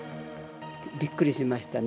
びっくりしましたね。